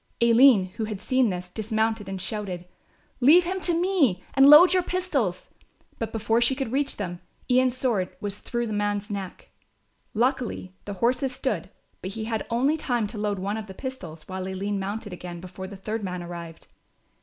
Aline, who had seen this, dismounted and shouted: "Leave him to me and load your pistols"; but before she could reach them, Ian's sword was through the man's neck. Luckily the horses stood; but he had only time to load one of the pistols, while Aline mounted again, before the third man arrived.